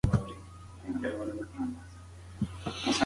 که ته هڅه وکړې، نو خامخا به بریالی شې.